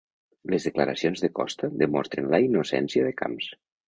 Les declaracions de Costa demostren la innocència de Camps